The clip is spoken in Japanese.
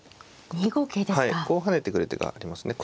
こう跳ねてくる手がありますね。